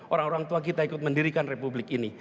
orang orang tua kita ikut mendirikan republik ini